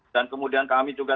dan kemudian kami juga